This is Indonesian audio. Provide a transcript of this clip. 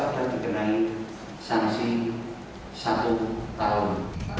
atau dikenai sanksi satu tahun